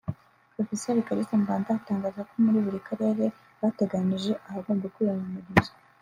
Prof Kalisa Mbanda atangaza ko muri buri karere batenganyije ahagomba kwiyamamarizwa